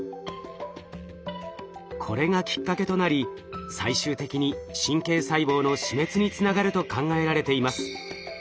これがきっかけとなり最終的に神経細胞の死滅につながると考えられています。